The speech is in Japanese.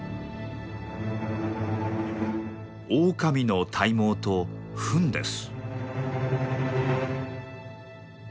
オオカミの体毛とフンです。